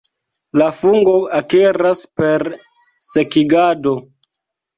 La fungo akiras, per sekigado.